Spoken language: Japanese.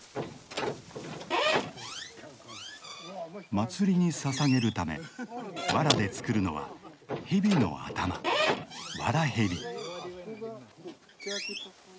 祭りにささげるため藁で作るのは蛇の頭藁蛇。